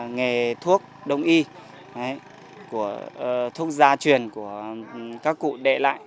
nghề thuốc đông y thuốc gia truyền của các cụ đệ lại